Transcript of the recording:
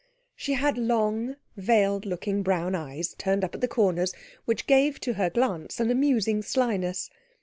She had long, veiled looking brown eyes, turned up at the corners, which gave to her glance an amusing slyness.